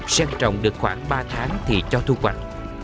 sen trồng được khoảng ba tháng thì cho thu hoạch